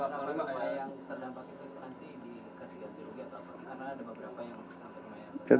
karena ada beberapa yang sampai rumah ya